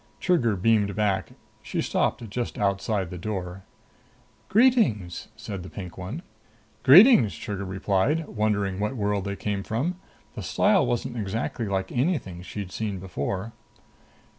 Trigger beamed back. She stopped just outside the door. "Greetings," said the pink one. "Greetings," Trigger replied, wondering what world they came from. The style wasn't exactly like anything she'd seen before.